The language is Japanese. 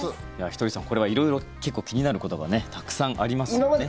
ひとりさん、これは色々結構、気になることがたくさんありますよね。